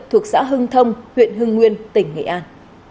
thuộc xã hưng thông huyện hưng nguyên tỉnh nghệ an